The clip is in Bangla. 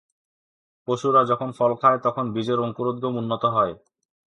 পশুরা যখন ফল খায়, তখন বীজের অঙ্কুরোদ্গম উন্নত হয়।